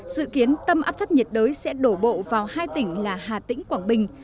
dự kiến tâm áp thấp nhiệt đới sẽ đổ bộ vào hai tỉnh là hà tĩnh quảng bình